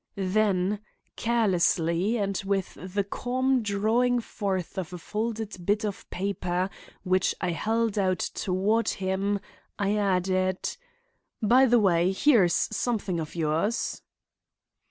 Then, carelessly and with the calm drawing forth of a folded bit of paper which I held out toward him, I added: "By the way, here is something of yours."